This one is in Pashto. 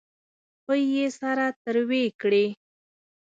پۍ یې سره تروې کړې.